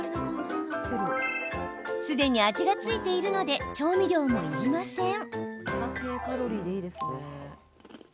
すでに味が付いているので調味料もいりません。